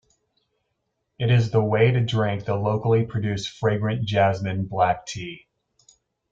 It is the way to drink the locally produced fragrant jasmine black tea.